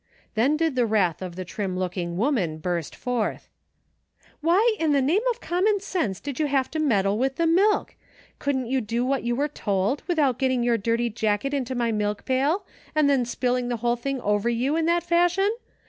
Then did the wrath of the trim looking woman burst forth !" Why, in the name of common sense, did you have to meddle with the milk ? Couldn't you do what you were told, without getting your dirty jacket into my milk pail, and then spilling the whole thing over you, in that fashion